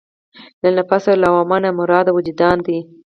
له نفس لوامه نه مراد وجدان دی.